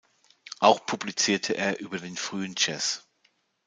Auch publizierte er über den frühen Jazz.